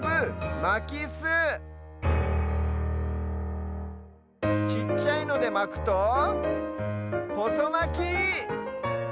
まきすちっちゃいのでまくとほそまき！